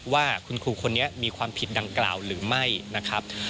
ว่าคุณครูคนนี้มีความผิดดังกล่าวหรือไม่นะครับ